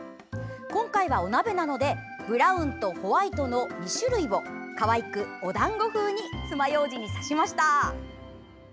今回はお鍋なのでブラウンとホワイトの２種類をかわいく、おだんご風につまようじに刺しました。